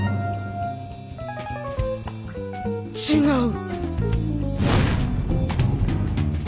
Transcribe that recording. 違う。